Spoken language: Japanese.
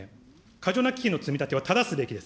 過剰な基金の積み立てはただすべきです。